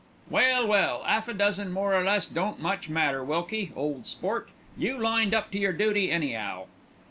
"Well, well, 'alf a dozen more or less don't much matter, Wilkie, old sport. You lined up to your duty, any'ow."